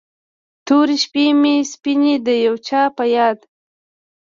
تورې شپې مې سپینې د یو چا په یاد